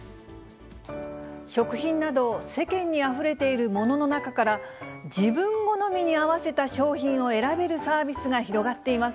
食品など、世間にあふれているものの中から、自分好みに合わせた商品を選べるサービスが広がっています。